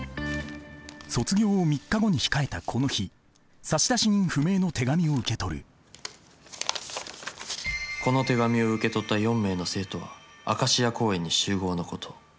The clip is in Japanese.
卒業を３日後に控えたこの日差出人不明の手紙を受け取る「この手紙を受け取った４名の生徒はアカシア公園に集合のこと」。